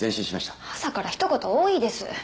朝から一言多いです！